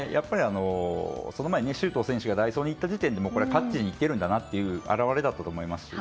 その前に周東選手が代走に行った時点で勝ちに行くんだなという表れだったと思います。